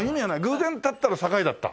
偶然立ったら境だった？